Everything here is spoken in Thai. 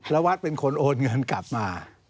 แล้ววัดเป็นคนโอนเงินกลับมา